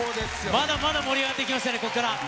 まだまだ盛り上がっていきますからね、ここから。